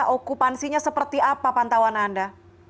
okupansinya seperti apa pantauan anda